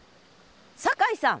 酒井さん！